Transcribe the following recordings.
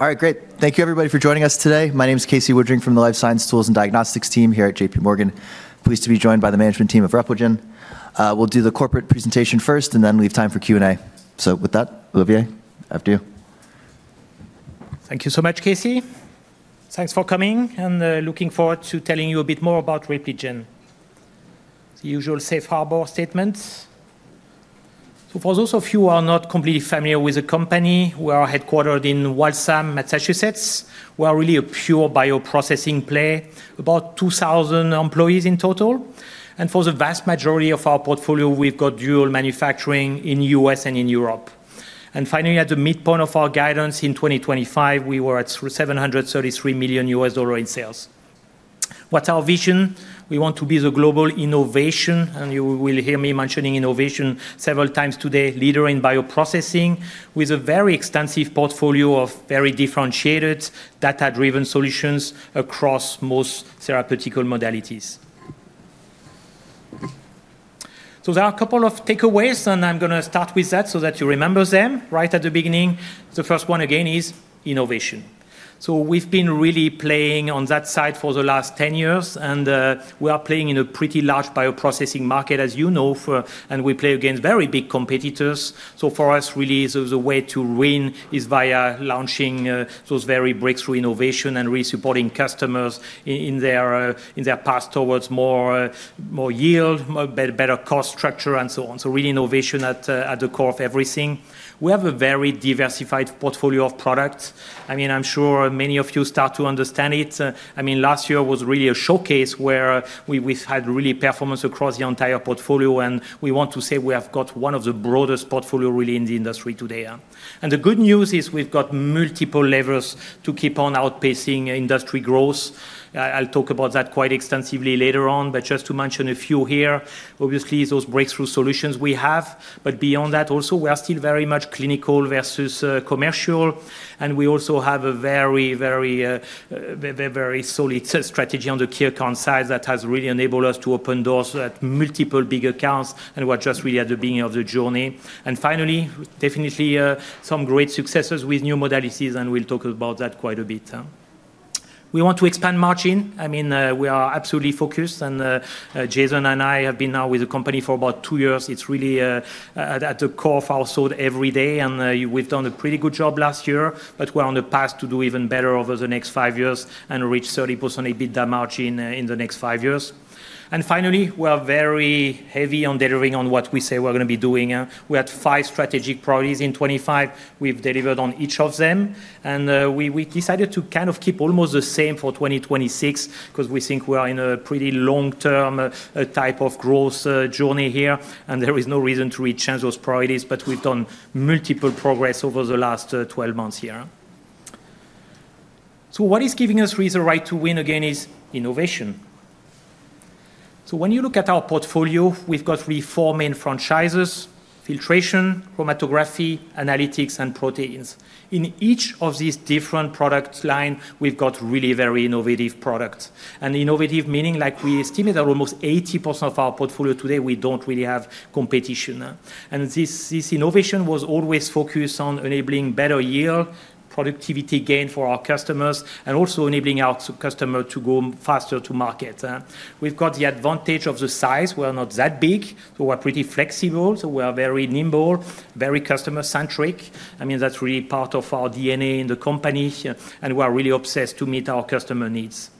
All right, great. Thank you, everybody, for joining us today. My name is Casey Woodring from the Life Science Tools and Diagnostics team here at J.P. Morgan. I'm pleased to be joined by the management team of Repligen. We'll do the corporate presentation first, and then we have time for Q&A. So with that, Olivier, after you. Thank you so much, Casey. Thanks for coming, and looking forward to telling you a bit more about Repligen. The usual safe harbor statements. So for those of you who are not completely familiar with the company, we are headquartered in Waltham, Massachusetts. We are really a pure bioprocessing play, about 2,000 employees in total. And for the vast majority of our portfolio, we've got dual manufacturing in the U.S. and in Europe. And finally, at the midpoint of our guidance in 2025, we were at $733 million in sales. What's our vision? We want to be the global innovation, and you will hear me mentioning innovation several times today, leader in bioprocessing, with a very extensive portfolio of very differentiated, data-driven solutions across most therapeutic modalities. So there are a couple of takeaways, and I'm going to start with that so that you remember them right at the beginning. The first one, again, is innovation. So we've been really playing on that side for the last 10 years, and we are playing in a pretty large bioprocessing market, as you know, and we play against very big competitors. So for us, really, the way to win is via launching those very breakthrough innovations and really supporting customers in their path towards more yield, better cost structure, and so on. So really, innovation at the core of everything. We have a very diversified portfolio of products. I mean, I'm sure many of you start to understand it. I mean, last year was really a showcase where we had really performance across the entire portfolio, and we want to say we have got one of the broadest portfolios really in the industry today. And the good news is we've got multiple levers to keep on outpacing industry growth. I'll talk about that quite extensively later on, but just to mention a few here. Obviously, those breakthrough solutions we have, but beyond that, also, we are still very much clinical versus commercial, and we also have a very, very solid strategy on the cartridge side that has really enabled us to open doors at multiple big accounts and we're just really at the beginning of the journey. And finally, definitely some great successes with new modalities, and we'll talk about that quite a bit. We want to expand margin. I mean, we are absolutely focused, and Jason and I have been now with the company for about two years. It's really at the core of our soul every day, and we've done a pretty good job last year, but we're on the path to do even better over the next five years and reach 30% EBITDA margin in the next five years, and finally, we are very heavy on delivering on what we say we're going to be doing. We had five strategic priorities in 2025. We've delivered on each of them, and we decided to kind of keep almost the same for 2026 because we think we are in a pretty long-term type of growth journey here, and there is no reason to re-change those priorities, but we've done multiple progress over the last 12 months here, so what is giving us reason right to win, again, is innovation, so when you look at our portfolio, we've got really four main franchises: filtration, chromatography, analytics, and proteins. In each of these different product lines, we've got really very innovative products, and innovative meaning, like we estimate that almost 80% of our portfolio today, we don't really have competition, and this innovation was always focused on enabling better yield, productivity gain for our customers, and also enabling our customer to go faster to market. We've got the advantage of the size. We're not that big, so we're pretty flexible, so we're very nimble, very customer-centric. I mean, that's really part of our DNA in the company, and we are really obsessed to meet our customer needs.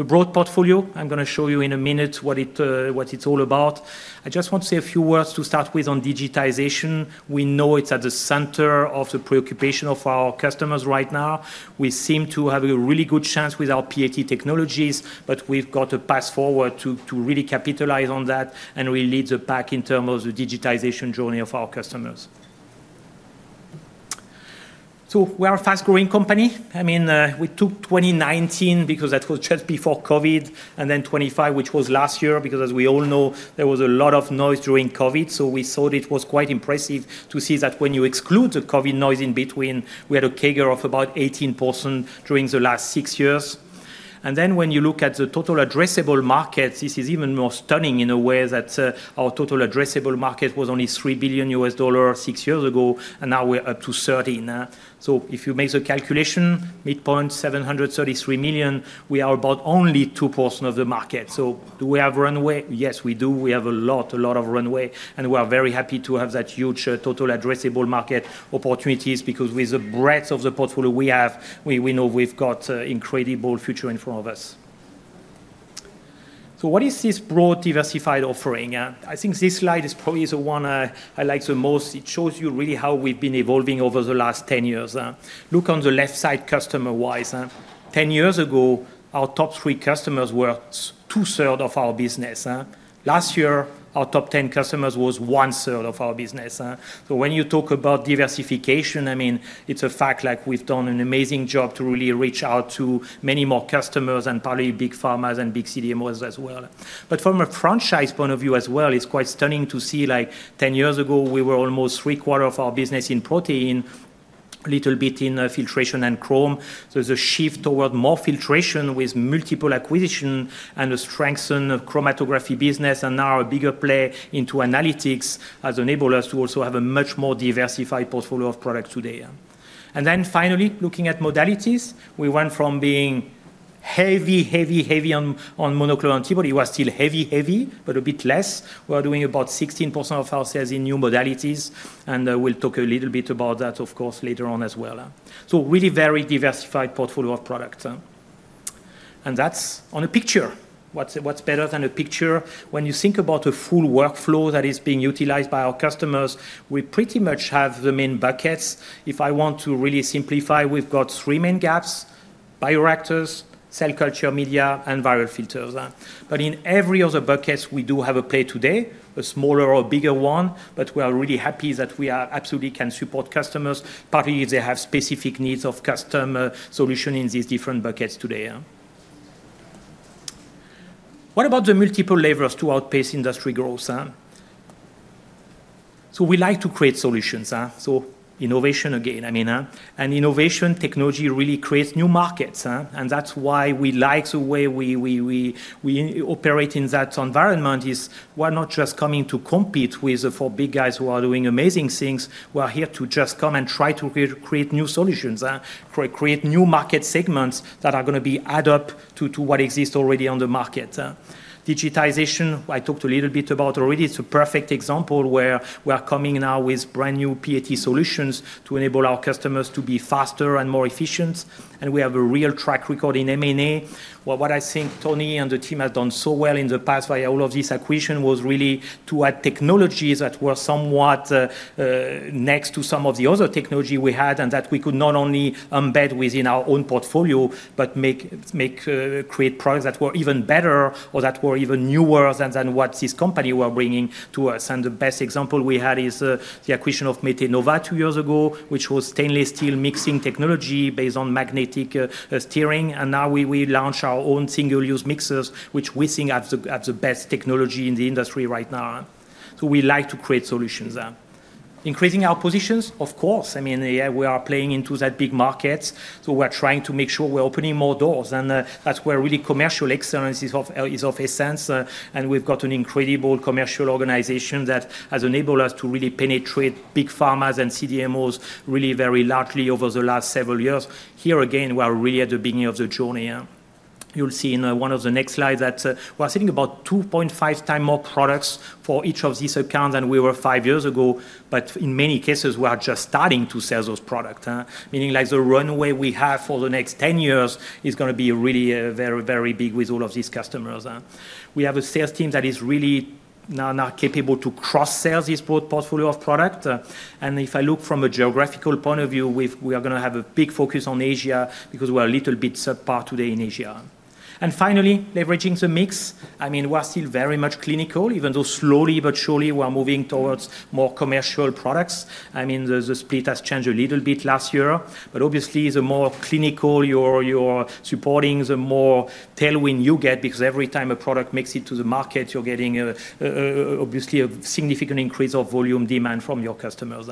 The broad portfolio, I'm going to show you in a minute what it's all about. I just want to say a few words to start with on digitization. We know it's at the center of the preoccupation of our customers right now. We seem to have a really good chance with our PAT technologies, but we've got to pass forward to really capitalize on that and really lead the pack in terms of the digitization journey of our customers. So we are a fast-growing company. I mean, we took 2019 because that was just before COVID, and then 2025, which was last year, because as we all know, there was a lot of noise during COVID. So we thought it was quite impressive to see that when you exclude the COVID noise in between, we had a CAGR of about 18% during the last six years. And then when you look at the total addressable market, this is even more stunning in a way that our total addressable market was only $3 billion six years ago, and now we're up to $13 billion. So if you make the calculation, midpoint, $733 million, we are about only 2% of the market. So do we have runway? Yes, we do. We have a lot, a lot of runway, and we are very happy to have that huge total addressable market opportunities because with the breadth of the portfolio we have, we know we've got incredible future in front of us. So what is this broad diversified offering? I think this slide is probably the one I like the most. It shows you really how we've been evolving over the last 10 years. Look on the left side, customer-wise. 10 years ago, our top three customers were two-thirds of our business. Last year, our top 10 customers was one-third of our business. So when you talk about diversification, I mean, it's a fact like we've done an amazing job to really reach out to many more customers and probably big pharmas and big CDMOs as well. But from a franchise point of view as well, it's quite stunning to see like 10 years ago, we were almost three-quarters of our business in protein, a little bit in filtration and chromatography. There's a shift toward more filtration with multiple acquisitions and a strengthened chromatography business and now a bigger play into analytics has enabled us to also have a much more diversified portfolio of products today. And then finally, looking at modalities, we went from being heavy, heavy, heavy on monoclonal antibody. We're still heavy, heavy, but a bit less. We're doing about 16% of our sales in new modalities, and we'll talk a little bit about that, of course, later on as well. So really very diversified portfolio of products. And that's on a picture. What's better than a picture? When you think about a full workflow that is being utilized by our customers, we pretty much have the main buckets. If I want to really simplify, we've got three main gaps: bioreactors, cell culture media, and viral filters. But in every other bucket, we do have a play today, a smaller or bigger one, but we are really happy that we absolutely can support customers, particularly if they have specific needs of customer solution in these different buckets today. What about the multiple levers to outpace industry growth? So we like to create solutions. So innovation, again, I mean, and innovation technology really creates new markets. And that's why we like the way we operate in that environment is we're not just coming to compete with the four big guys who are doing amazing things. We're here to just come and try to create new solutions, create new market segments that are going to be add up to what exists already on the market. Digitization, I talked a little bit about already. It's a perfect example where we're coming now with brand new PAT solutions to enable our customers to be faster and more efficient. And we have a real track record in M&A. What I think Tony and the team have done so well in the past via all of this acquisition was really to add technologies that were somewhat next to some of the other technology we had and that we could not only embed within our own portfolio, but create products that were even better or that were even newer than what this company we're bringing to us. And the best example we had is the acquisition of Metenova two years ago, which was stainless steel mixing technology based on magnetic stirring. And now we launch our own single-use mixers, which we think have the best technology in the industry right now. So we like to create solutions. Increasing our positions, of course. I mean, we are playing into that big market. So we're trying to make sure we're opening more doors, and that's where really commercial excellence is of essence. And we've got an incredible commercial organization that has enabled us to really penetrate big pharmas and CDMOs really very largely over the last several years. Here, again, we are really at the beginning of the journey. You'll see in one of the next slides that we're sitting about 2.5 times more products for each of these accounts than we were five years ago, but in many cases, we are just starting to sell those products. Meaning like the runway we have for the next 10 years is going to be really very, very big with all of these customers. We have a sales team that is really now capable to cross-sell this portfolio of products. And if I look from a geographical point of view, we are going to have a big focus on Asia because we're a little bit subpar today in Asia. And finally, leveraging the mix, I mean, we're still very much clinical, even though slowly but surely we're moving towards more commercial products. I mean, the split has changed a little bit last year, but obviously, the more clinical you're supporting, the more tailwind you get because every time a product makes it to the market, you're getting obviously a significant increase of volume demand from your customers.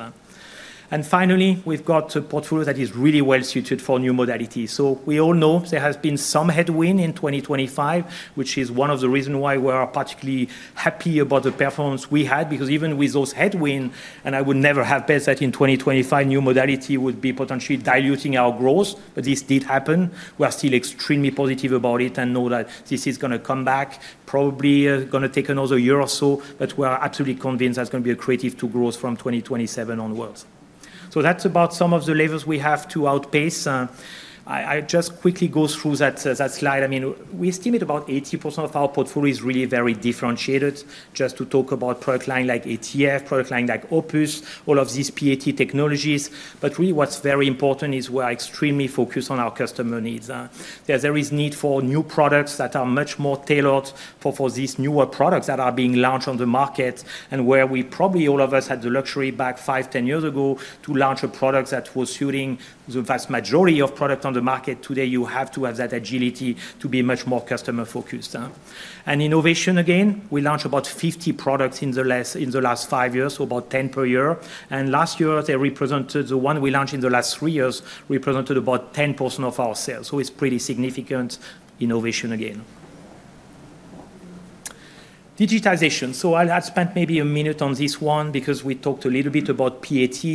And finally, we've got a portfolio that is really well suited for new modalities. So we all know there has been some headwind in 2025, which is one of the reasons why we are particularly happy about the performance we had because even with those headwinds, and I would never have bet that in 2025, new modality would be potentially diluting our growth, but this did happen. We're still extremely positive about it and know that this is going to come back, probably going to take another year or so, but we're absolutely convinced that's going to be a creative to growth from 2027 onwards. So that's about some of the levers we have to outpace. I just quickly go through that slide. I mean, we estimate about 80% of our portfolio is really very differentiated, just to talk about product line like ATF, product line like OPUS, all of these PAT technologies. But really what's very important is we're extremely focused on our customer needs. There is need for new products that are much more tailored for these newer products that are being launched on the market, and where we probably all of us had the luxury back five, 10 years ago to launch a product that was suiting the vast majority of products on the market. Today, you have to have that agility to be much more customer-focused. And innovation, again, we launched about 50 products in the last five years, so about 10 per year. And last year, they, the ones we launched in the last three years, represented about 10% of our sales. So it's pretty significant innovation again. Digitization. So I'll spend maybe a minute on this one because we talked a little bit about PAT.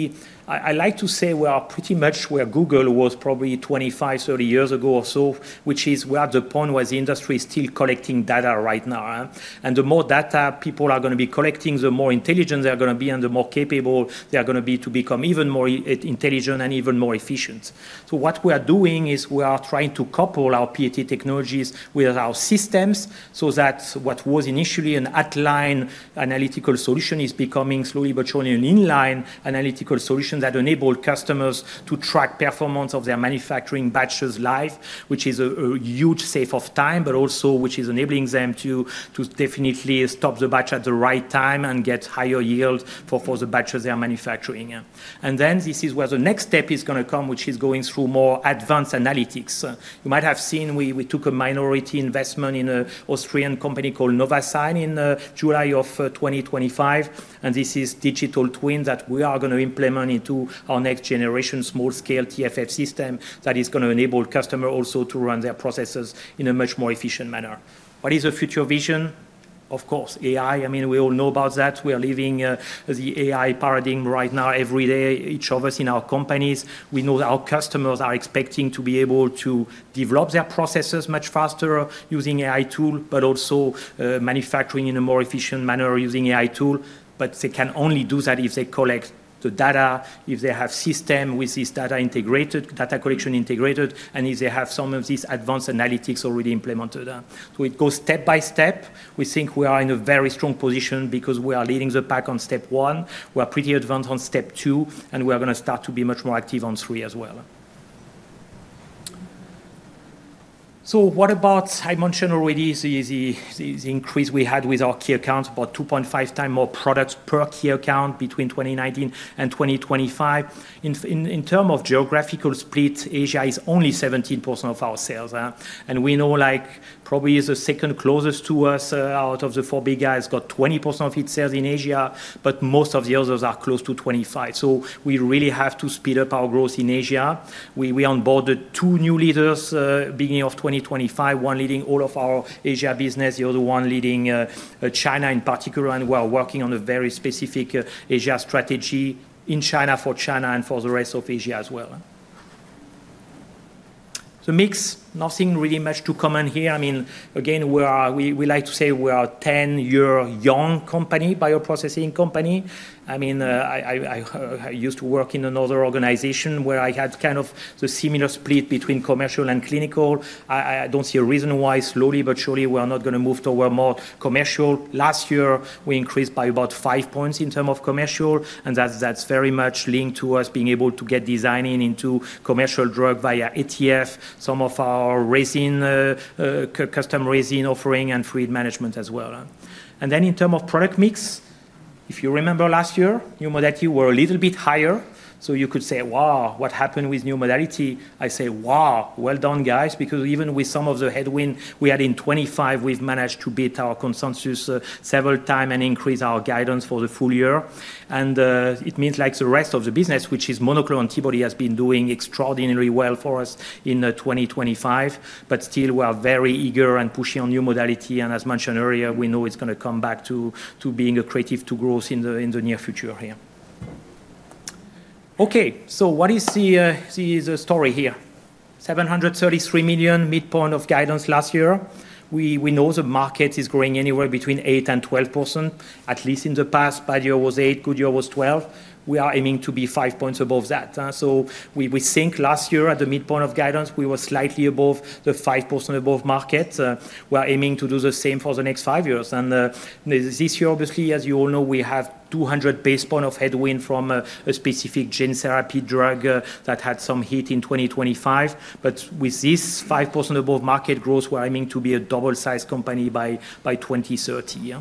I like to say we are pretty much where Google was probably 25, 30 years ago or so, which is where the point was the industry is still collecting data right now, and the more data people are going to be collecting, the more intelligent they're going to be, and the more capable they're going to be to become even more intelligent and even more efficient, so what we are doing is we are trying to couple our PAT technologies with our systems so that what was initially an offline analytical solution is becoming slowly but surely an inline analytical solution that enabled customers to track performance of their manufacturing batches' life, which is a huge save of time, but also which is enabling them to definitely stop the batch at the right time and get higher yield for the batches they're manufacturing. And then this is where the next step is going to come, which is going through more advanced analytics. You might have seen we took a minority investment in an Austrian company called Novasign in July of 2025, and this is digital twin that we are going to implement into our next generation small-scale TFF system that is going to enable customers also to run their processes in a much more efficient manner. What is the future vision? Of course, AI. I mean, we all know about that. We are living the AI paradigm right now every day, each of us in our companies. We know our customers are expecting to be able to develop their processes much faster using AI tools, but also manufacturing in a more efficient manner using AI tools. But they can only do that if they collect the data, if they have systems with this data integrated, data collection integrated, and if they have some of these advanced analytics already implemented. So it goes step by step. We think we are in a very strong position because we are leading the pack on step one. We're pretty advanced on step two, and we're going to start to be much more active on three as well. So what about, I mentioned already, the increase we had with our key accounts, about 2.5 times more products per key account between 2019 and 2025? In terms of geographical split, Asia is only 17% of our sales. And we know like probably the second closest to us out of the four big guys got 20% of its sales in Asia, but most of the others are close to 25%. So we really have to speed up our growth in Asia. We onboarded two new leaders beginning of 2025, one leading all of our Asia business, the other one leading China in particular, and we are working on a very specific Asia strategy in China for China and for the rest of Asia as well. The mix, nothing really much to comment here. I mean, again, we like to say we are a 10-year young bioprocessing company. I mean, I used to work in another organization where I had kind of the similar split between commercial and clinical. I don't see a reason why slowly but surely we're not going to move toward more commercial. Last year, we increased by about five points in terms of commercial, and that's very much linked to us being able to get design-ins into commercial drug via ATF, some of our custom resin offering, and fluid management as well, and then in terms of product mix, if you remember last year, new modality were a little bit higher, so you could say, "Wow, what happened with new modality?" I say, "Wow, well done, guys," because even with some of the headwind we had in 2025, we've managed to beat our consensus several times and increase our guidance for the full year, and it means like the rest of the business, which is monoclonal antibody, has been doing extraordinarily well for us in 2025, but still we're very eager and pushy on new modality. As mentioned earlier, we know it's going to come back to being a driver of growth in the near future here. Okay, so what is the story here? $733 million, midpoint of guidance last year. We know the market is growing anywhere between 8%-12%, at least in the past. Bad year was 8%, good year was 12%. We are aiming to be 5 points above that. So we think last year at the midpoint of guidance, we were slightly above the 5% above market. We are aiming to do the same for the next five years. And this year, obviously, as you all know, we have 200 basis points of headwind from a specific gene therapy drug that had some hiccup in 2025. But with this 5% above market growth, we are aiming to be a double-sized company by 2030.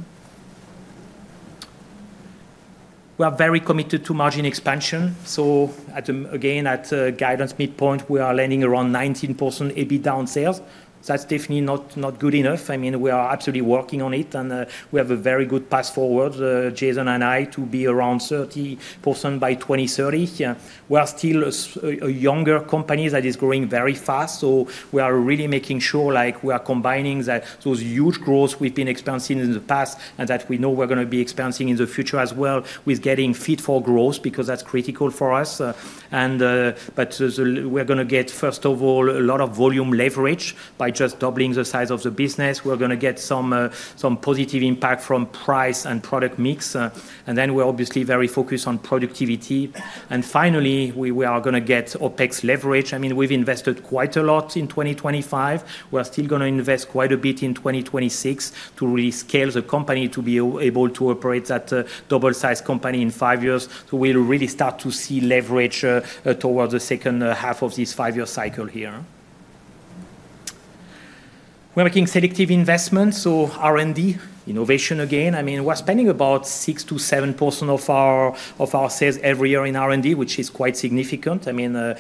We are very committed to margin expansion. So again, at guidance midpoint, we are landing around 19% EBITDA on sales. That's definitely not good enough. I mean, we are absolutely working on it, and we have a very good path forward, Jason and I, to be around 30% by 2030. We're still a younger company that is growing very fast, so we are really making sure like we are combining those huge growth we've been experiencing in the past and that we know we're going to be experiencing in the future as well with getting fuel for growth because that's critical for us. But we're going to get, first of all, a lot of volume leverage by just doubling the size of the business. We're going to get some positive impact from price and product mix. And then we're obviously very focused on productivity. And finally, we are going to get OPEX leverage. I mean, we've invested quite a lot in 2025. We're still going to invest quite a bit in 2026 to really scale the company to be able to operate that double-sized company in five years. So we'll really start to see leverage towards the second half of this five-year cycle here. We're making selective investments, so R&D, innovation again. I mean, we're spending about 6%-7% of our sales every year in R&D, which is quite significant. I mean, I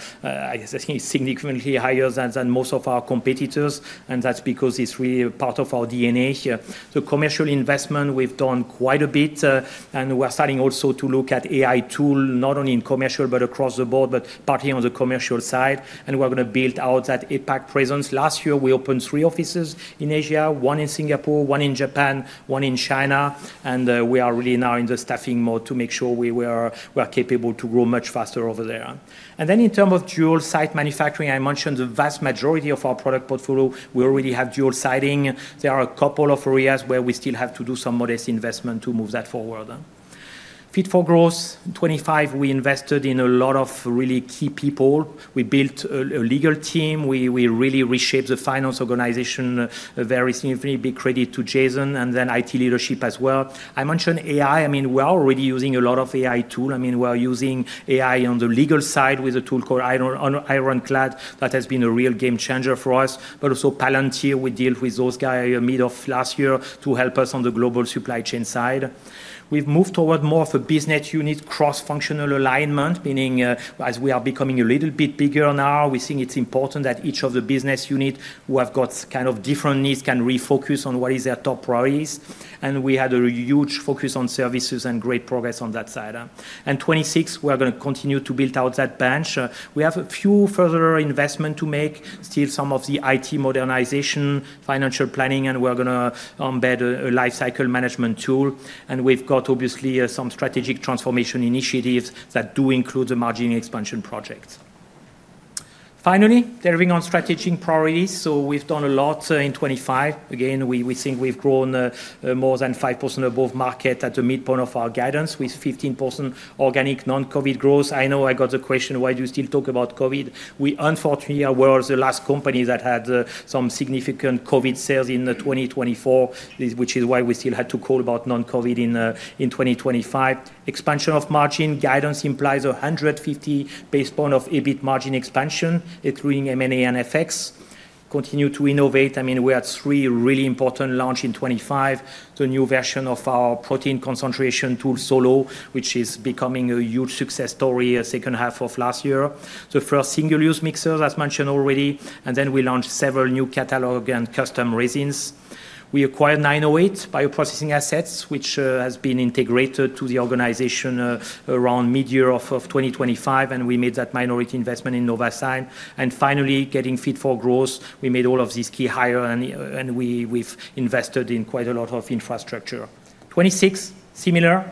think it's significantly higher than most of our competitors, and that's because it's really part of our DNA. The commercial investment, we've done quite a bit, and we're starting also to look at AI tool not only in commercial but across the board, but partly on the commercial side. And we're going to build out that APAC presence. Last year, we opened three offices in Asia, one in Singapore, one in Japan, one in China. And we are really now in the staffing mode to make sure we are capable to grow much faster over there. And then in terms of dual-site manufacturing, I mentioned the vast majority of our product portfolio, we already have dual-siting. There are a couple of areas where we still have to do some modest investment to move that forward. Fit for growth, 2025, we invested in a lot of really key people. We built a legal team. We really reshaped the finance organization very significantly. Big credit to Jason and then IT leadership as well. I mentioned AI. I mean, we are already using a lot of AI tools. I mean, we're using AI on the legal side with a tool called Ironclad that has been a real game changer for us, but also Palantir. We did a deal with those guys mid of last year to help us on the global supply chain side. We've moved toward more of a business unit cross-functional alignment, meaning as we are becoming a little bit bigger now, we think it's important that each of the business units who have got kind of different needs can refocus on what is their top priorities. We had a huge focus on services and great progress on that side. In 2026, we're going to continue to build out that bench. We have a few further investments to make, still some of the IT modernization, financial planning, and we're going to embed a life cycle management tool. We've got obviously some strategic transformation initiatives that do include the margin expansion projects. Finally, delivering on strategic priorities. We've done a lot in 2025. Again, we think we've grown more than 5% above market at the midpoint of our guidance with 15% organic non-COVID growth. I know I got the question, why do you still talk about COVID? We unfortunately were the last company that had some significant COVID sales in 2024, which is why we still had to call about non-COVID in 2025. Expansion of margin guidance implies a 150 basis points of EBIT margin expansion, including M&A and FX. Continue to innovate. I mean, we had three really important launches in 2025. The new version of our protein concentration tool, Solo, which is becoming a huge success story in the second half of last year. The first single-use mixers, as mentioned already, and then we launched several new catalog and custom resins. We acquired 908 Devices bioprocessing assets, which has been integrated to the organization around mid-year of 2025, and we made that minority investment in Novasign, and finally, getting fit for growth, we made all of these key hires, and we've invested in quite a lot of infrastructure. 2026, similar.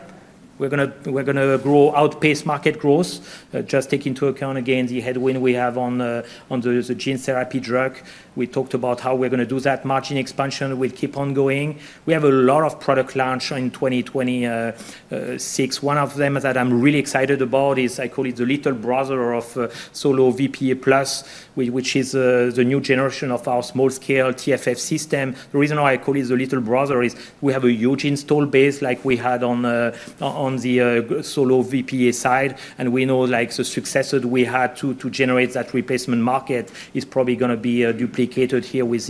We're going to grow outpaced market growth, just taking into account again the headwind we have on the gene therapy drug. We talked about how we're going to do that margin expansion. We'll keep on going. We have a lot of product launch in 2026. One of them that I'm really excited about is I call it the little brother of SoloVPE plus, which is the new generation of our small-scale TFF system. The reason why I call it the little brother is we have a huge installed base like we had on the SoloVPE side, and we know like the success that we had to generate that replacement market is probably going to be duplicated here with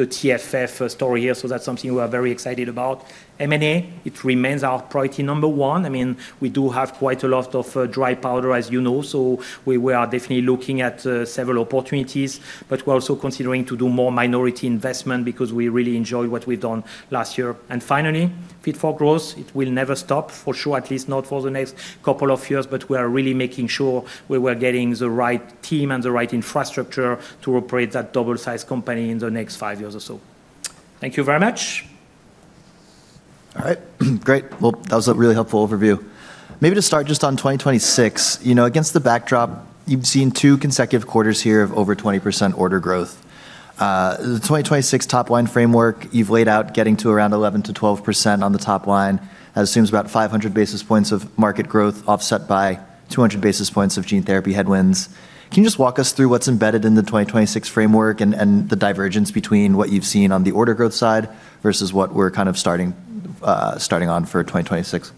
the TFF story here. So that's something we are very excited about. M&A, it remains our priority number one. I mean, we do have quite a lot of dry powder, as you know, so we are definitely looking at several opportunities, but we're also considering to do more minority investment because we really enjoy what we've done last year. Finally, fit for growth, it will never stop, for sure, at least not for the next couple of years, but we are really making sure we were getting the right team and the right infrastructure to operate that double-sized company in the next five years or so. Thank you very much. All right. Great. Well, that was a really helpful overview. Maybe to start just on 2026, you know, against the backdrop, you've seen two consecutive quarters here of over 20% order growth. The 2026 top-line framework you've laid out getting to around 11%-12% on the top line, that assumes about 500 basis points of market growth offset by 200 basis points of gene therapy headwinds. Can you just walk us through what's embedded in the 2026 framework and the divergence between what you've seen on the order growth side versus what we're kind of starting on for 2026?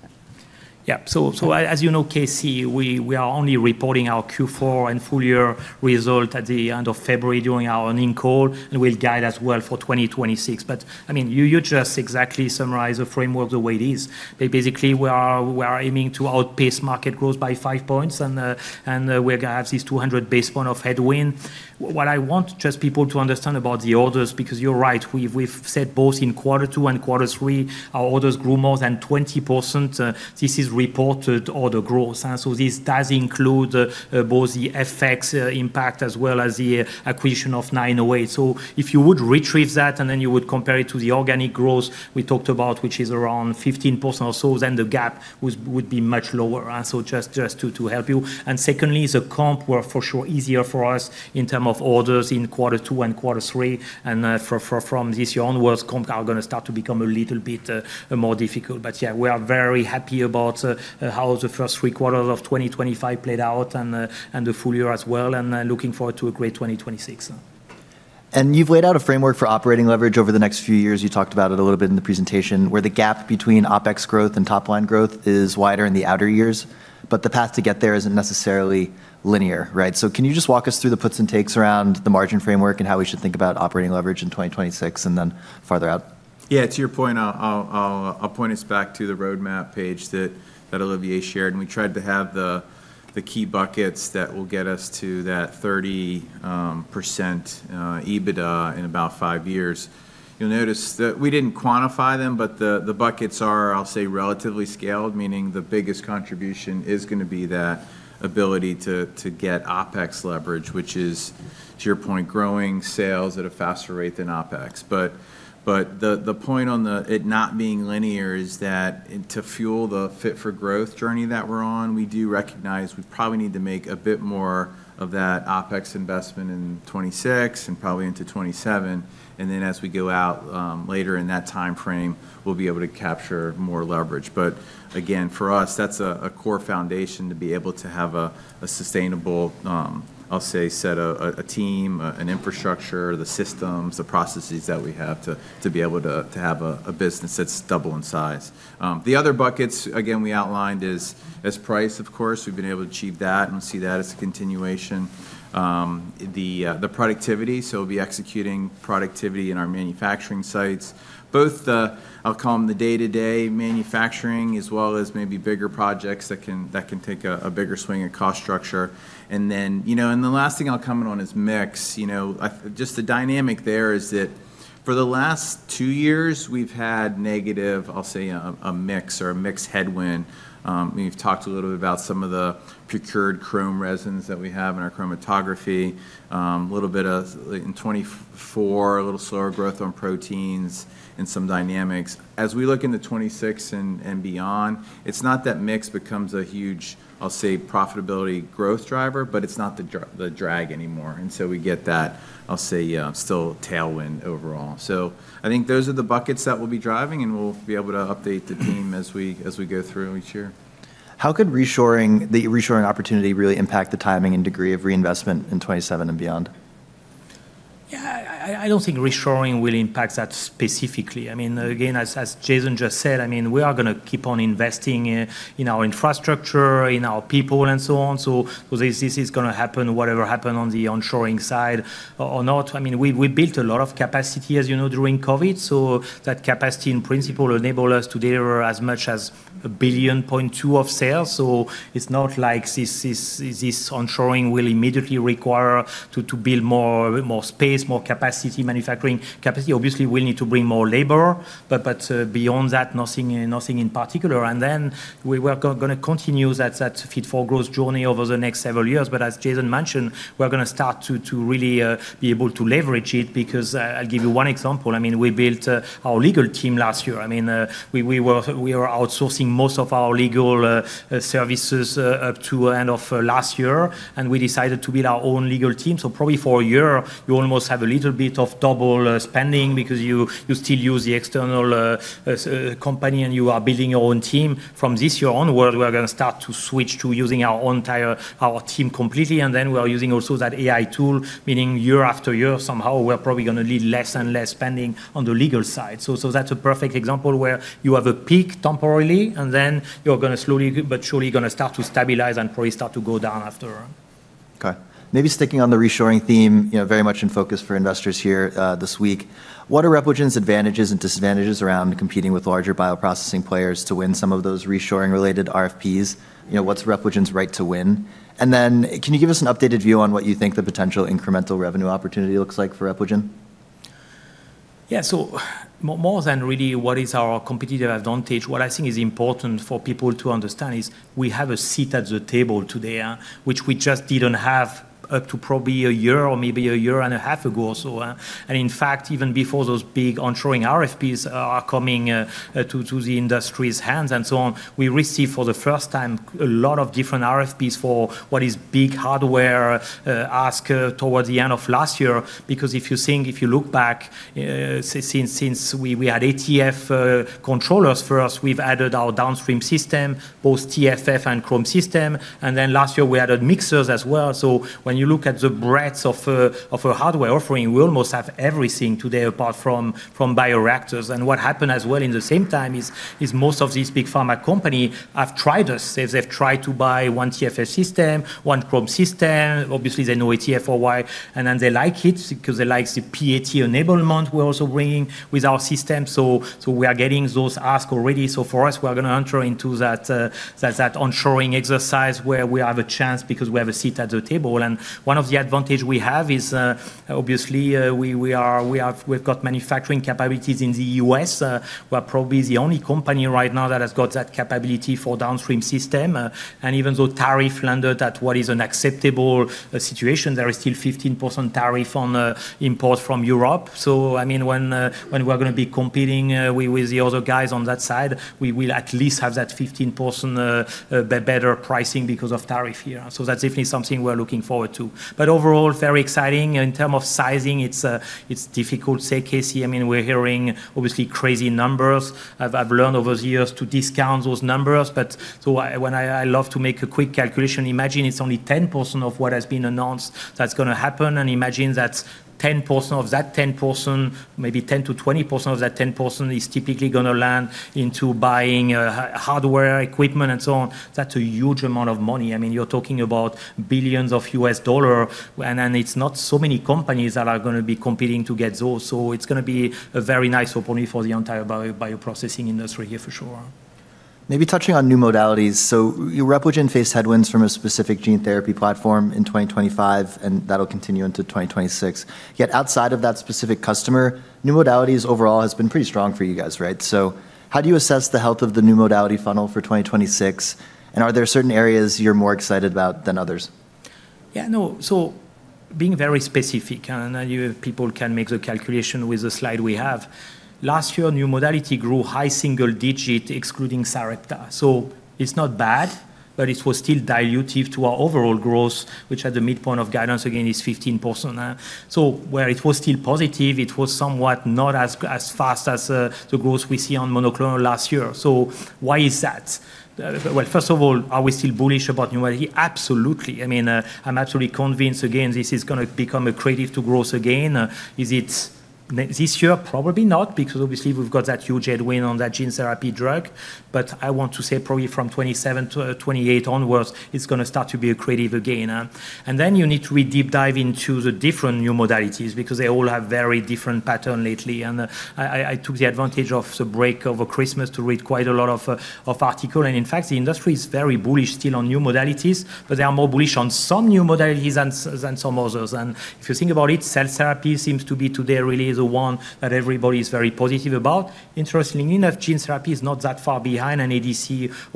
Yeah. So as you know, Casey, we are only reporting our Q4 and full-year results at the end of February during our earnings call, and we'll guide as well for 2026. But I mean, you just exactly summarized the framework the way it is. Basically, we are aiming to outpace market growth by five points, and we're going to have this 200 basis point of headwind. What I want just people to understand about the orders, because you're right, we've said both in quarter two and quarter three, our orders grew more than 20%. This is reported order growth. So this does include both the FX impact as well as the acquisition of 908. So if you would retrieve that and then you would compare it to the organic growth we talked about, which is around 15% or so, then the gap would be much lower. So just to help you. And secondly, the comp were for sure easier for us in terms of orders in quarter two and quarter three. And from this year onwards, comp are going to start to become a little bit more difficult. But yeah, we are very happy about how the first three quarters of 2025 played out and the full year as well, and looking forward to a great 2026. And you've laid out a framework for operating leverage over the next few years. You talked about it a little bit in the presentation, where the gap between OPEX growth and top-line growth is wider in the outer years, but the path to get there isn't necessarily linear, right? So can you just walk us through the puts and takes around the margin framework and how we should think about operating leverage in 2026 and then farther out? Yeah, to your point, I'll point us back to the roadmap page that Olivier shared, and we tried to have the key buckets that will get us to that 30% EBITDA in about five years. You'll notice that we didn't quantify them, but the buckets are, I'll say, relatively scaled, meaning the biggest contribution is going to be that ability to get OPEX leverage, which is, to your point, growing sales at a faster rate than OPEX. But the point on it not being linear is that to fuel the fit for growth journey that we're on, we do recognize we probably need to make a bit more of that OPEX investment in 2026 and probably into 2027. And then as we go out later in that time frame, we'll be able to capture more leverage. But again, for us, that's a core foundation to be able to have a sustainable, I'll say, set of a team, an infrastructure, the systems, the processes that we have to be able to have a business that's double in size. The other buckets, again, we outlined is price, of course. We've been able to achieve that and see that as a continuation. The productivity, so we'll be executing productivity in our manufacturing sites, both the, I'll call them the day-to-day manufacturing as well as maybe bigger projects that can take a bigger swing in cost structure. And then, you know, and the last thing I'll comment on is mix. You know, just the dynamic there is that for the last two years, we've had negative, I'll say, a mix or a mixed headwind. We've talked a little bit about some of the procured chromatography resins that we have in our chromatography, a little bit in 2024, a little slower growth on proteins and some dynamics. As we look into 2026 and beyond, it's not that mix becomes a huge, I'll say, profitability growth driver, but it's not the drag anymore. And so we get that, I'll say, still tailwind overall. So I think those are the buckets that we'll be driving, and we'll be able to update the team as we go through each year. How could the reshoring opportunity really impact the timing and degree of reinvestment in 2027 and beyond? Yeah, I don't think reshoring will impact that specifically. I mean, again, as Jason just said, I mean, we are going to keep on investing in our infrastructure, in our people, and so on. So this is going to happen, whatever happened on the offshoring side or not. I mean, we built a lot of capacity, as you know, during COVID. So that capacity, in principle, enabled us to deliver as much as $1.2 billion of sales. So it's not like this onshoring will immediately require to build more space, more capacity, manufacturing capacity. Obviously, we'll need to bring more labor, but beyond that, nothing in particular, and then we're going to continue that fit for growth journey over the next several years, but as Jason mentioned, we're going to start to really be able to leverage it because I'll give you one example. I mean, we built our legal team last year. I mean, we were outsourcing most of our legal services up to the end of last year, and we decided to build our own legal team, so probably for a year, you almost have a little bit of double spending because you still use the external company, and you are building your own team. From this year onward, we're going to start to switch to using our entire team completely. And then we're using also that AI tool, meaning year after year, somehow we're probably going to need less and less spending on the legal side. So that's a perfect example where you have a peak temporarily, and then you're going to slowly but surely going to start to stabilize and probably start to go down after. Okay. Maybe sticking on the reshoring theme, very much in focus for investors here this week, what are Repligen's advantages and disadvantages around competing with larger bioprocessing players to win some of those reshoring-related RFPs? What's Repligen's right to win? And then can you give us an updated view on what you think the potential incremental revenue opportunity looks like for Repligen? Yeah, so more than really what is our competitive advantage, what I think is important for people to understand is we have a seat at the table today, which we just didn't have up to probably a year or maybe a year and a half ago or so. And in fact, even before those big onshoring RFPs are coming to the industry's hands and so on, we received for the first time a lot of different RFPs for what is big hardware ask towards the end of last year. Because if you think, if you look back, since we had ATF controllers first, we've added our downstream system, both TFF and chromatography system. And then last year, we added mixers as well. So when you look at the breadth of a hardware offering, we almost have everything today apart from bioreactors. And what happened as well in the same time is most of these big pharma companies have tried us. They've tried to buy one TFF system, one chromatography system. Obviously, they know ATF for a while, and then they like it because they like the PAT enablement we're also bringing with our system. So we are getting those ask already. So for us, we're going to enter into that reshoring exercise where we have a chance because we have a seat at the table. And one of the advantages we have is obviously we've got manufacturing capabilities in the US. We're probably the only company right now that has got that capability for downstream system. And even though tariff landed at what is an acceptable situation, there is still 15% tariff on imports from Europe. So I mean, when we're going to be competing with the other guys on that side, we will at least have that 15% better pricing because of tariff here. So that's definitely something we're looking forward to. But overall, very exciting. In terms of sizing, it's difficult. Say, Casey, I mean, we're hearing obviously crazy numbers. I've learned over the years to discount those numbers. But so when I love to make a quick calculation, imagine it's only 10% of what has been announced that's going to happen. And imagine that 10% of that 10%, maybe 10%-20% of that 10% is typically going to land into buying hardware, equipment, and so on. That's a huge amount of money. I mean, you're talking about billions of dollars, and then it's not so many companies that are going to be competing to get those. So it's going to be a very nice opportunity for the entire bioprocessing industry here for sure. Maybe touching on new modalities. So Repligen faced headwinds from a specific gene therapy platform in 2025, and that'll continue into 2026. Yet outside of that specific customer, new modalities overall has been pretty strong for you guys, right? So how do you assess the health of the new modality funnel for 2026? And are there certain areas you're more excited about than others? Yeah, no. So being very specific, and you people can make the calculation with the slide we have. Last year, new modality grew high single digit, excluding Sarepta. So it's not bad, but it was still dilutive to our overall growth, which at the midpoint of guidance, again, is 15%. Where it was still positive, it was somewhat not as fast as the growth we see on monoclonal last year, so why is that? Well, first of all, are we still bullish about new modality? Absolutely. I mean, I'm absolutely convinced, again, this is going to become a driver to growth again. Is it this year? Probably not, because obviously we've got that huge headwind on that gene therapy drug. But I want to say probably from 2027 to 2028 onwards, it's going to start to be a driver again. And then you need to really deep dive into the different new modalities because they all have very different patterns lately. And I took advantage of the break over Christmas to read quite a lot of articles. And in fact, the industry is very bullish still on new modalities, but they are more bullish on some new modalities than some others. And if you think about it, cell therapy seems to be today really the one that everybody is very positive about. Interestingly enough, gene therapy is not that far behind, and ADC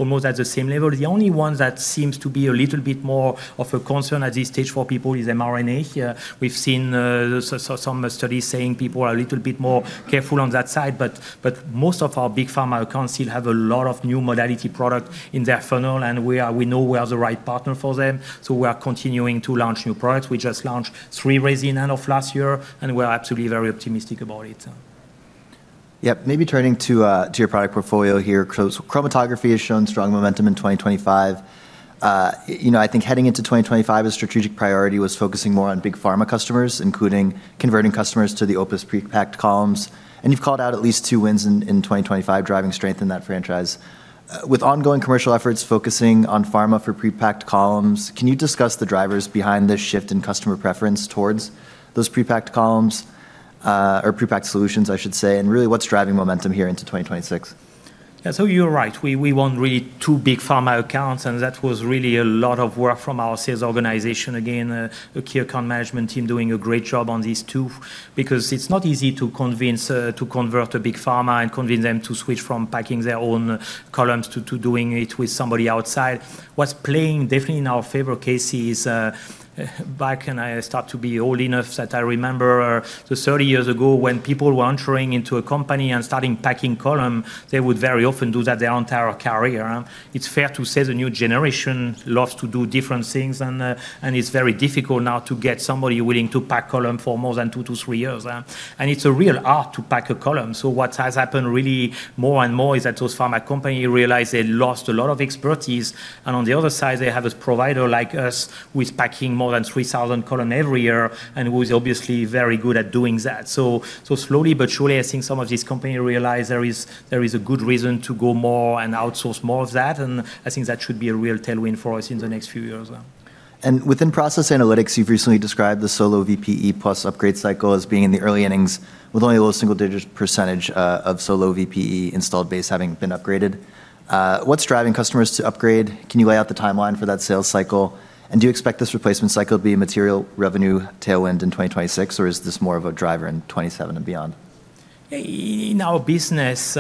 almost at the same level. The only one that seems to be a little bit more of a concern at this stage for people is mRNA. We've seen some studies saying people are a little bit more careful on that side. But most of our big pharma accounts still have a lot of new modality products in their funnel, and we know we are the right partner for them. So we are continuing to launch new products. We just launched three resins at the end of last year, and we're absolutely very optimistic about it. Yep. Maybe turning to your product portfolio here. Chromatography has shown strong momentum in 2025. I think heading into 2025, a strategic priority was focusing more on big pharma customers, including converting customers to the OPUS prepacked columns. And you've called out at least two wins in 2025 driving strength in that franchise. With ongoing commercial efforts focusing on pharma for prepacked columns, can you discuss the drivers behind this shift in customer preference towards those prepacked columns or prepacked solutions, I should say, and really what's driving momentum here into 2026? Yeah, so you're right. We won really two big pharma accounts, and that was really a lot of work from our sales organization. Again, the key account management team is doing a great job on these two because it's not easy to convince a big pharma to convert and convince them to switch from packing their own columns to doing it with somebody outside. What's definitely playing in our favor, Casey, is that I am old enough that I remember 30 years ago when people were entering into a company and starting packing columns, they would very often do that their entire career. It's fair to say the new generation loves to do different things, and it's very difficult now to get somebody willing to pack columns for more than two to three years, and it's a real art to pack a column, so what has happened really more and more is that those pharma companies realize they lost a lot of expertise. And on the other side, they have a provider like us with packing more than 3,000 columns every year and who is obviously very good at doing that. So slowly but surely, I think some of these companies realize there is a good reason to go more and outsource more of that. And I think that should be a real tailwind for us in the next few years. And within process analytics, you've recently described the SoloVPE plus upgrade cycle as being in the early innings with only a low single-digit percentage of SoloVPE installed base having been upgraded. What's driving customers to upgrade? Can you lay out the timeline for that sales cycle? And do you expect this replacement cycle to be a material revenue tailwind in 2026, or is this more of a driver in 2027 and beyond? In our business,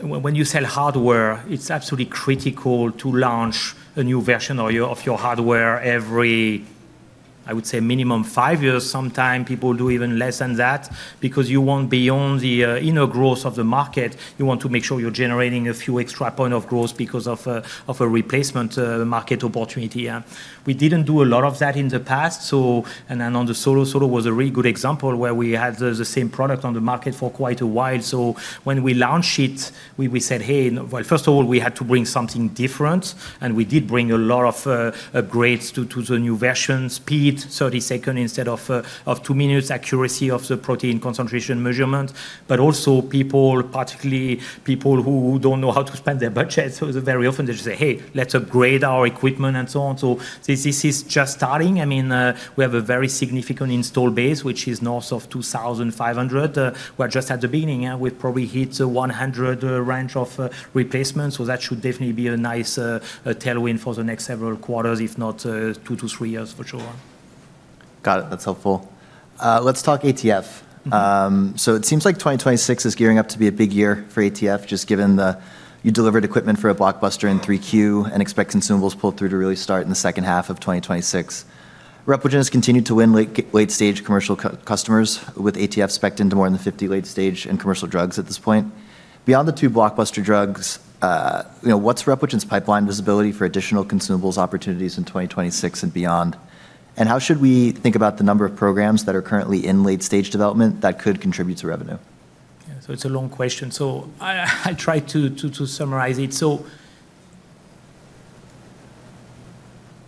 when you sell hardware, it's absolutely critical to launch a new version of your hardware every, I would say, minimum five years. Sometimes people do even less than that because you want beyond the inherent growth of the market, you want to make sure you're generating a few extra points of growth because of a replacement market opportunity. We didn't do a lot of that in the past, and on the Solo, Solo was a really good example where we had the same product on the market for quite a while. So when we launched it, we said, hey, well, first of all, we had to bring something different, and we did bring a lot of upgrades to the new version, speed 30 seconds instead of two minutes accuracy of the protein concentration measurement. But also people, particularly people who don't know how to spend their budget, so very often they just say, hey, let's upgrade our equipment and so on. So this is just starting. I mean, we have a very significant installed base, which is north of 2,500. We're just at the beginning. We've probably hit the 100 range of replacements. So that should definitely be a nice tailwind for the next several quarters, if not two to three years for sure. Got it. That's helpful. Let's talk ATF. So it seems like 2026 is gearing up to be a big year for ATF, just given that you delivered equipment for a blockbuster in 3Q and expect consumables pulled through to really start in the second half of 2026. Repligen has continued to win late-stage commercial customers with ATF specced into more than 50 late-stage and commercial drugs at this point. Beyond the two blockbuster drugs, what's Repligen's pipeline visibility for additional consumables opportunities in 2026 and beyond? And how should we think about the number of programs that are currently in late-stage development that could contribute to revenue? Yeah, so it's a long question. So I'll try to summarize it.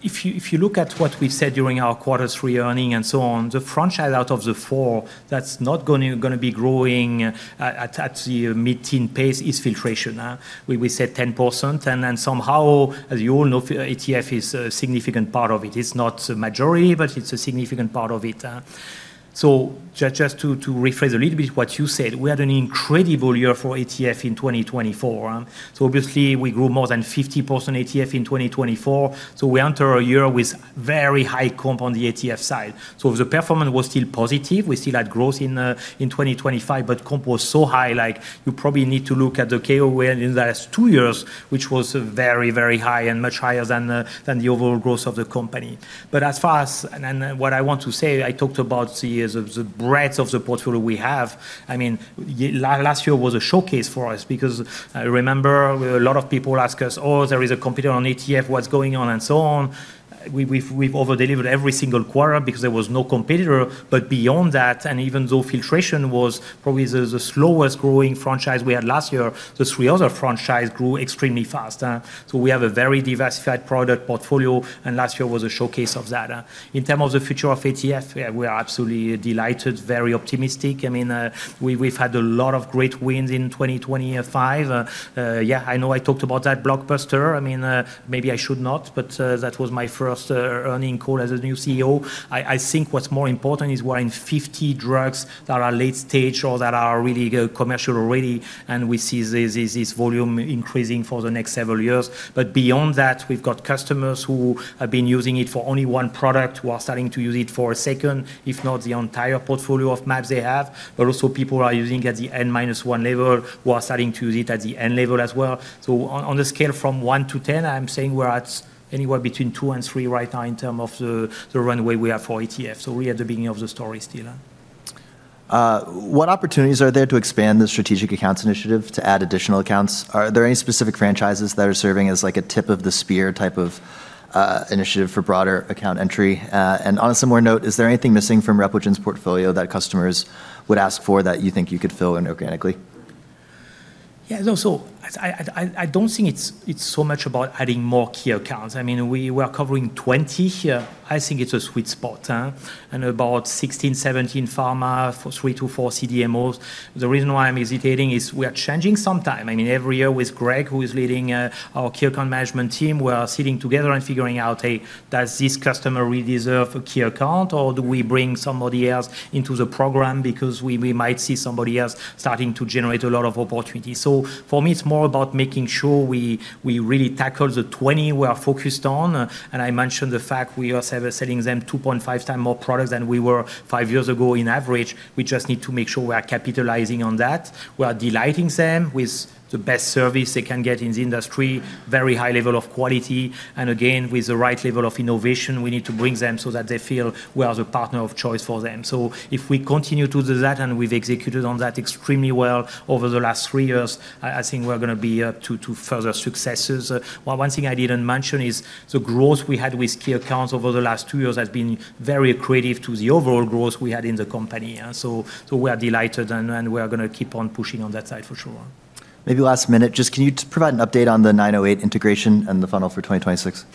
So if you look at what we've said during our quarter three earnings and so on, the franchise out of the four that's not going to be growing at the mid-teen pace is filtration. We said 10%. And somehow, as you all know, ATF is a significant part of it. It's not a majority, but it's a significant part of it. So just to rephrase a little bit what you said, we had an incredible year for ATF in 2024. So obviously, we grew more than 50% ATF in 2024. So we enter a year with very high comp on the ATF side. So the performance was still positive. We still had growth in 2025, but comp was so high, like you probably need to look at the CAGR in the last two years, which was very, very high and much higher than the overall growth of the company. But as far as what I want to say, I talked about the breadth of the portfolio we have. I mean, last year was a showcase for us because I remember a lot of people ask us, oh, there is a competitor on ATF, what's going on, and so on. We've overdelivered every single quarter because there was no competitor. But beyond that, and even though filtration was probably the slowest growing franchise we had last year, the three other franchises grew extremely fast. So we have a very diversified product portfolio, and last year was a showcase of that. In terms of the future of ATF, we are absolutely delighted, very optimistic. I mean, we've had a lot of great wins in 2025. Yeah, I know I talked about that blockbuster. I mean, maybe I should not, but that was my first earnings call as a new CEO. I think what's more important is we're in 50 drugs that are late-stage or that are really commercial already, and we see this volume increasing for the next several years. But beyond that, we've got customers who have been using it for only one product, who are starting to use it for a second, if not the entire portfolio of mAbs they have. But also people are using at the N minus one level, who are starting to use it at the N level as well. So on the scale from one to 10, I'm saying we're at anywhere between two and three right now in terms of the runway we have for ATF. So we're at the beginning of the story still. What opportunities are there to expand the strategic accounts initiative to add additional accounts? Are there any specific franchises that are serving as like a tip of the spear type of initiative for broader account entry? And on a similar note, is there anything missing from Repligen's portfolio that customers would ask for that you think you could fill in organically? Yeah, no. So I don't think it's so much about adding more key accounts. I mean, we are covering 20 here. I think it's a sweet spot. About 16-17 pharma for three to four CDMOs. The reason why I'm hesitating is we are changing sometime. I mean, every year with Greg, who is leading our key account management team, we're sitting together and figuring out, hey, does this customer really deserve a key account, or do we bring somebody else into the program because we might see somebody else starting to generate a lot of opportunity? So for me, it's more about making sure we really tackle the 20 we are focused on. I mentioned the fact we are selling them 2.5 times more products than we were five years ago in average. We just need to make sure we are capitalizing on that. We are delighting them with the best service they can get in the industry, very high level of quality. And again, with the right level of innovation, we need to bring them so that they feel we are the partner of choice for them. So if we continue to do that, and we've executed on that extremely well over the last three years, I think we're going to be up to further successes. One thing I didn't mention is the growth we had with key accounts over the last two years has been very critical to the overall growth we had in the company. So we are delighted, and we are going to keep on pushing on that side for sure. Maybe last minute, just can you provide an update on the 908 integration and the funnel for 2026?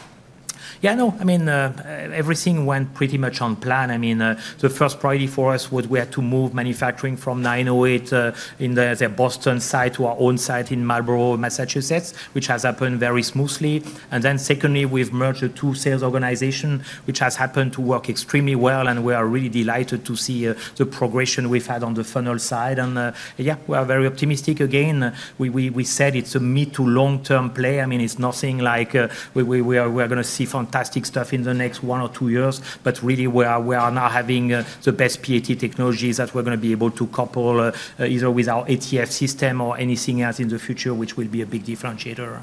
Yeah, no. I mean, everything went pretty much on plan. I mean, the first priority for us was we had to move manufacturing from 908 in their Boston site to our own site in Marlborough, Massachusetts, which has happened very smoothly, and then secondly, we've merged the two sales organizations, which has happened to work extremely well, and we are really delighted to see the progression we've had on the funnel side, and yeah, we are very optimistic again. We said it's a mid to long-term play. I mean, it's nothing like we are going to see fantastic stuff in the next one or two years, but really we are now having the best PAT technologies that we're going to be able to couple either with our ATF system or anything else in the future, which will be a big differentiator.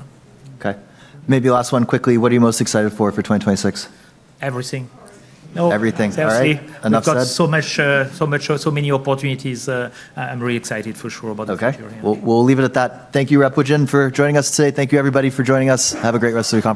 Okay. Maybe last one quickly, what are you most excited for for 2026? Everything. Everything, all right. Enough said. So many opportunities. I'm really excited for sure about the future. Okay. We'll leave it at that. Thank you, Repligen, for joining us today. Thank you, everybody, for joining us. Have a great rest of your time.